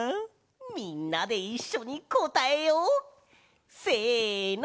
みんなでいっしょにこたえよう！せの！